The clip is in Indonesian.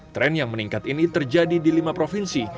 tren yang meningkat ini terjadi di lima provinsi